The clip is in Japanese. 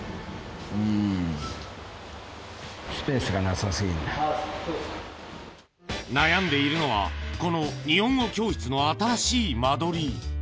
うーん、スペースがなさすぎ悩んでいるのは、この日本語教室の新しい間取り。